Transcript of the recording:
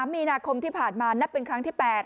มีนาคมที่ผ่านมานับเป็นครั้งที่๘